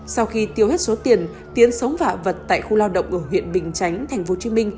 sau khi tiêu hết số tiền tiến sống vạ vật tại khu lao động ở huyện bình chánh tp hcm